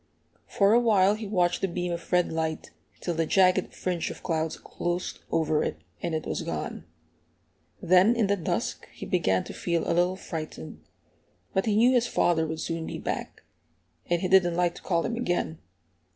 For a while he watched the beam of red light, till the jagged fringe of clouds closed over it, and it was gone. Then, in the dusk, he began to feel a little frightened; but he knew his father would soon be back, and he didn't like to call him again.